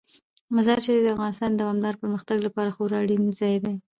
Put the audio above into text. مزارشریف د افغانستان د دوامداره پرمختګ لپاره خورا اړین ځای دی.